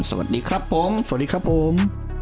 สวัสดีครับผม